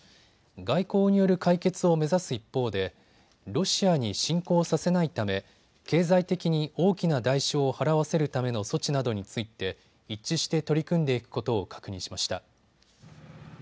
外交による解決を目指す一方でロシアに侵攻させないため経済的に大きな代償を払わせるための措置などについて一致して取り組んでいくことを確認しました。